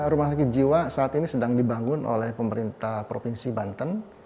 rumah sakit jiwa saat ini sedang dibangun oleh pemerintah provinsi banten